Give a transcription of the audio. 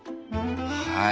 はい。